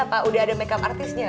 sudah ada makeup artis nya